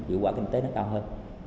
yêu quả kinh tế nó cao hơn